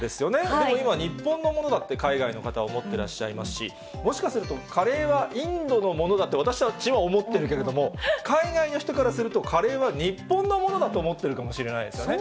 でも今、日本のものだって、海外の方、思ってらっしゃいますし、もしかすると、カレーはインドのものだって、私たちは思ってるけれども、海外の人からすると、カレーは日本のものだと思ってるかもしれないですよね。